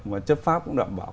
mà chấp pháp cũng đảm bảo